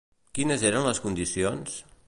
Quines eren les condicions?